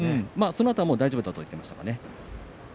そのあとは大丈夫だと言っていました。